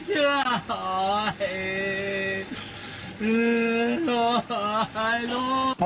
ดูแล้ว